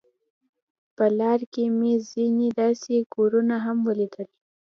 په لار کې مې ځینې داسې کورونه هم ولیدل.